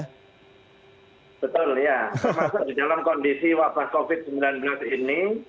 betul ya termasuk di dalam kondisi wabah covid sembilan belas ini